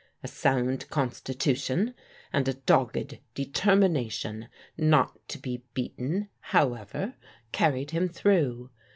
A sound constitution, and a dogged determination not to be beaten, however, carried him through.